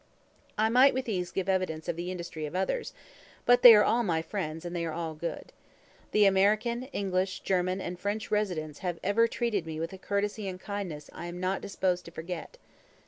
I might with ease give evidence of the industry of others, but they are all my friends, and they are all good. The American, English, German, and French residents have ever treated me with a courtesy and kindness I am not disposed to forget.